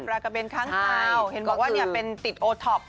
รากะเบนค้างคาวเห็นบอกว่าเป็นติดโอท็อป